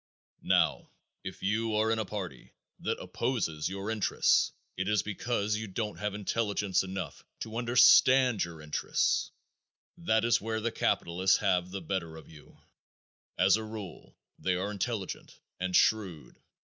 Now, if you are in a party that opposes your interests it is because you don't have intelligence enough to understand your interests. That is where the capitalists have the better of you. As a rule, they are intelligent, and shrewd.